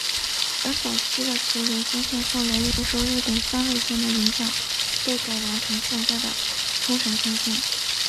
而早期的琉球三线后来又受日本三味线的影响被改良成现在的冲绳三线。